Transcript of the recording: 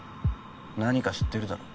何か知ってるだろ？